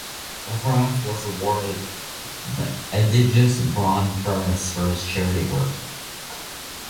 Overath was awarded the Egidius-Braun-Preis for his charity work.